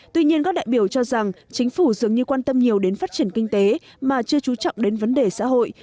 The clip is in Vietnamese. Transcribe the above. tuy nhiên các đại biểu cho rằng chính phủ dường như quan tâm nhiều đến phát triển kinh tế mà chưa trú trọng đến vấn đề xã hội